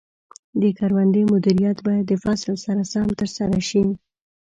د کروندې مدیریت باید د فصل سره سم ترسره شي.